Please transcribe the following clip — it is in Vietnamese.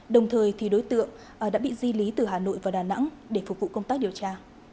đồng thời thì đối tượng đã bị di lý từ hà nội vào đà nẵng để phục vụ công tác điều tra